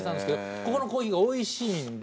ここのコーヒーがおいしいんで。